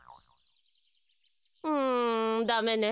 うんダメね。